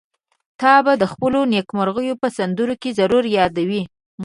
تا به د خپلو نېکمرغيو په سندرو کې ضرور يادوي.